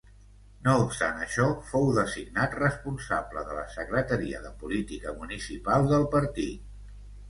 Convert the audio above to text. No obstant això fou designat responsable de la Secretaria de Política Municipal del partit.